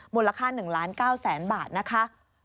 มูลค่า๑ล้าน๙แสนบาทนะคะ